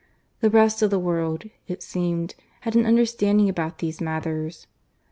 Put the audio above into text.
The rest of the world, it seemed, had an understanding about these matters.